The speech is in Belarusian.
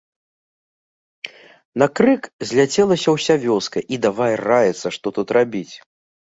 На крык зляцелася ўся вёска і давай раіцца, што тут рабіць.